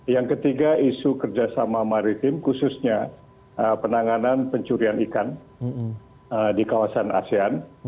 yang ketiga isu kerjasama maritim khususnya penanganan pencurian ikan di kawasan asean